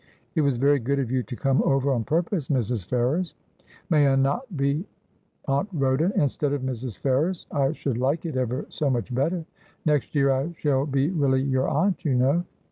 ' It was very good of you to come over on purpose, Mrs. Ferrers.' 'May I not be Aunt Rhoda instead of Mrs. Ferrers? I should like it ever so much better. Next year I shall be really your aunt, you know.'